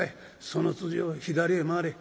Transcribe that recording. そのつじを左へ回れ。